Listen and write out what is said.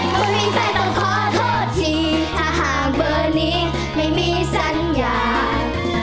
คนมีแฟนต้องขอโทษจริงถ้าหากเบอร์นี้ไม่มีสัญญาณ